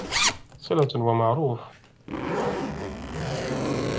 صِلَةٌ وَمَعْرُوفٌ